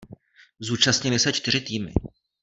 Zúčastnili se čtyři týmy.